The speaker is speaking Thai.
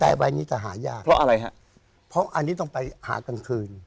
แต่ใบนี้จะหายากเพราะอะไรฮะเพราะอันนี้ต้องไปหากลางคืน